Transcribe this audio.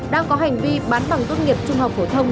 đang có hành vi bán bằng tốt nghiệp trung học phổ thông